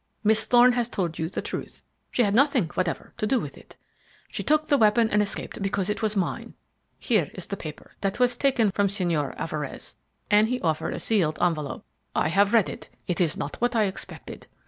Miss Thorne has told you the truth; she had nothing whatever to do with it. She took the weapon and escaped because it was mine. Here is the paper that was taken from Señor Alvarez," and he offered a sealed envelope. "I have read it; it is not what I expected.